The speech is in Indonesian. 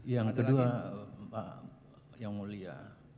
yang kedua yang mulia